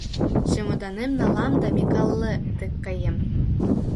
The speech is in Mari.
«Чемоданем налам да Микале дек каем.